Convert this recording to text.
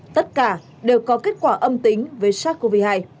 tất cả đều có kết quả âm tính với sars cov hai